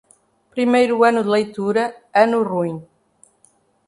Primeiro ano de leitura, ano ruim.